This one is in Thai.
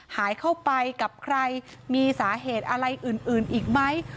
หายเข้าไปกับใครมีสาเหตุอะไรอื่นอีกไหม